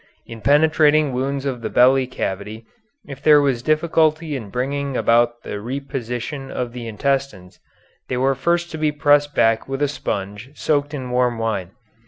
In penetrating wounds of the belly cavity, if there was difficulty in bringing about the reposition of the intestines, they were first to be pressed back with a sponge soaked in warm wine.